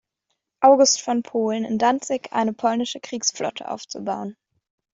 August von Polen, in Danzig eine polnische Kriegsflotte aufzubauen.